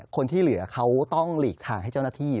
คนที่เหลือเขาต้องหลีกทางให้เจ้าหน้าที่